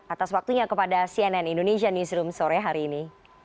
atas waktunya kepada cnn indonesia newsroom sore hari ini